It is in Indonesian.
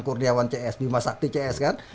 kurniawan cs bima sakti cs kan